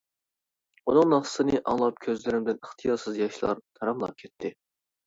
ئۇنىڭ ناخشىسىنى ئاڭلاپ كۆزلىرىمدىن ئىختىيارسىز ياشلار تاراملاپ كەتتى.